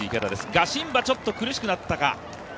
ガシンバちょっと苦しくなったか。